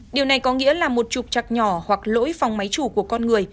điều này có nghĩa là một trục chặt nhỏ hoặc lỗi phòng máy chủ của con người